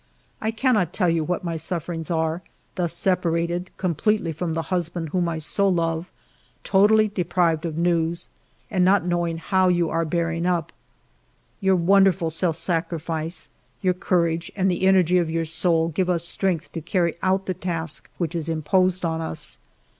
I cannot tell you what my sufferings are, thus separated completely from the husband whom I so love, totally deprived of news, and not knowing how you are bearing up. ..." Your wonderful self sacrifice, your courage, and the energy of your soul give us strength to carry out the task which is imposed on us.